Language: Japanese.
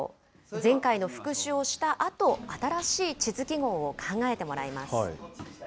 前回の復習をしたあと、新しい地図記号を考えてもらいます。